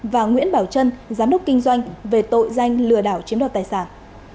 và nguyễn bảo trân giám đốc kinh doanh về tội danh lừa đảo chiếm đoạt tài sản